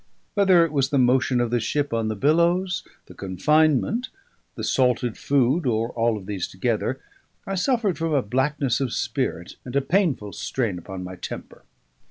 Whether it was the motion of the ship on the billows, the confinement, the salted food, or all of these together, I suffered from a blackness of spirit and a painful strain upon my temper.